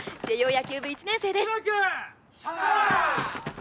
野球部１年生ですしゃー！